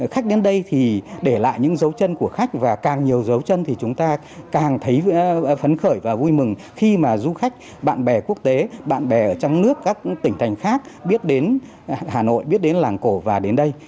khách đến đây thì để lại những dấu chân của khách và càng nhiều dấu chân thì chúng ta càng thấy phấn khởi và vui mừng khi mà du khách bạn bè quốc tế bạn bè ở trong nước các tỉnh thành khác biết đến hà nội biết đến làng cổ và đến đây